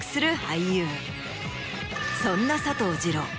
そんな佐藤二朗